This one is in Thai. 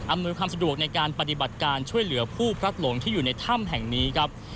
ความสะดวกในการปฏิบัติการช่วยเหลือผู้พลัดหลงที่อยู่ในถ้ำแห่งนี้ครับ